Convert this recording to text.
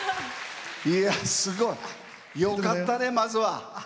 すごい！よかったね、まずは。